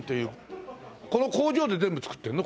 この工場で全部作ってるの？